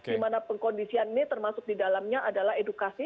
dimana pengkondisian ini termasuk di dalamnya adalah edukasi